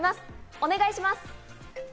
お願いします。